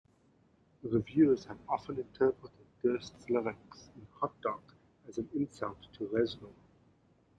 Reviewers have often interpreted Durst's lyrics in "Hot Dog" as an insult to Reznor.